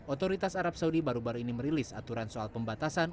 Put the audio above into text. otoritas arab saudi baru baru ini merilis aturan soal pembatasan